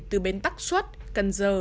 từ bến tắc xuất cần giờ